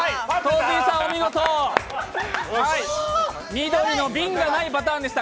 緑の瓶がないパターンでした。